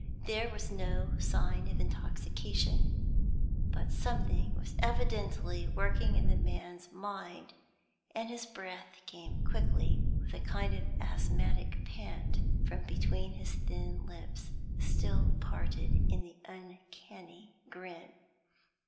There was no sign of intoxication, but something was evidently working in the man's mind, and his breath came quickly, with a kind of asthmatic pant, from between his thin lips, still parted in the uncanny grin.